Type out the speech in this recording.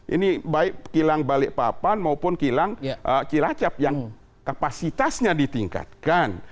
ini baik kilang balikpapan maupun kilang cilacap yang kapasitasnya ditingkatkan